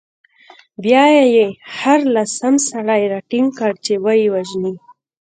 بیا يې هر لسم سړی راټینګ کړ، چې ویې وژني.